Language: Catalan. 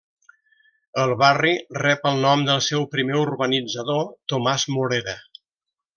El barri rep el nom del seu primer urbanitzador, Tomàs Morera.